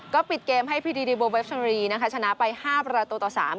ก็ปิดเกมให้พีดีโบเวฟชรีนะคะชนะไป๕ประตูต่อ๓